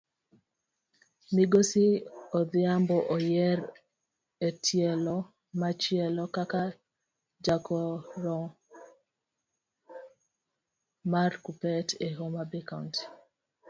Migosi odhiambo oyier etielo machielo kaka jagoro mar kuppet e homabay county.